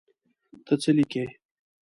ته څه لیکې.